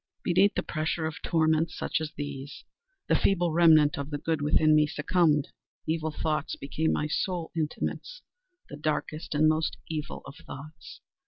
_ Beneath the pressure of torments such as these, the feeble remnant of the good within me succumbed. Evil thoughts became my sole intimates—the darkest and most evil of thoughts.